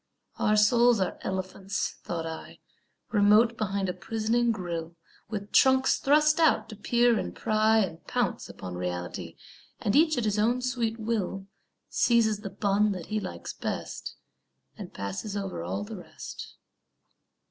Our souls are elephants, thought I, Remote behind a prisoning grill, With trunks thrust out to peer and pry And pounce upon reality; And each at his own sweet will Seizes the bun that he likes best And passes over all the rest.